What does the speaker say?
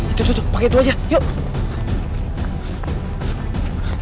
itu tutup pakai itu aja yuk